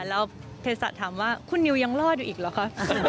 แล้วเทศะถามว่าคุณนิวยังรอดอยู่อีกเหรอคะ